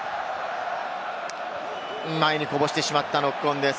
前にこぼしてしまったノックオンです。